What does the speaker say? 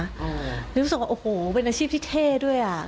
รู้สึกว่าโอ้โหเป็นอาชีพที่เท่ด้วยอ่ะ